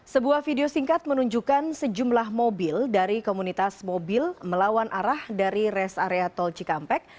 sebuah video singkat menunjukkan sejumlah mobil dari komunitas mobil melawan arah dari rest area tol cikampek